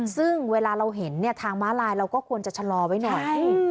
ซึ่งเวลาเราเห็นเนี่ยทางม้าลายเราก็ควรจะชะลอไว้หน่อย